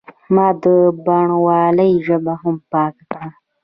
ما د بڼوالۍ ژبه هم پاکه کړه.